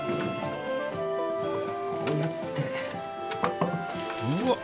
こうやって。